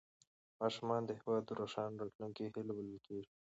ماشومان د هېواد د روښانه راتلونکي هیله بلل کېږي